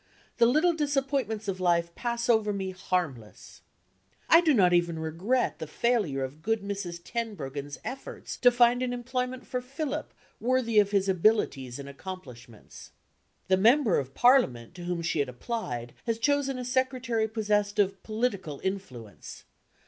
The little disappointments of life pass over me harmless. I do not even regret the failure of good Mrs. Tenbruggen's efforts to find an employment for Philip, worthy of his abilities and accomplishments. The member of Parliament to whom she had applied has chosen a secretary possessed of political influence.